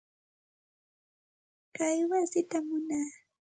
Kay wasitam munaa.